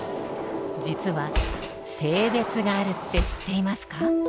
実は性別があるって知っていますか？